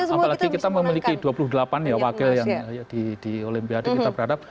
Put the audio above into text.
apalagi kita memiliki dua puluh delapan ya wakil yang di olimpiade kita berharap